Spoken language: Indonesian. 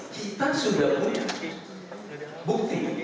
kita sudah punya bukti